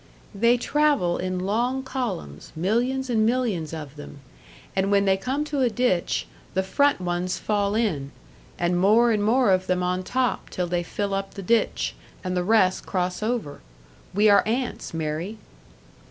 "They travel in long columns, millions and millions of them. And when they come to a ditch, the front ones fall in, and more and more of them on top, till they fill up the ditch, and the rest cross over. We are ants, Mary."